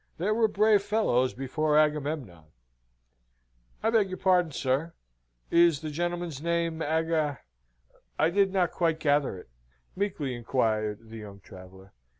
There were brave fellows before Agamemnon." "I beg your pardon, sir. Is the gentleman's name Aga ? I did not quite gather it," meekly inquired the young traveller.